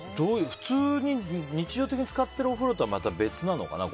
普通に日常的に使ってるお風呂とは別なのかな。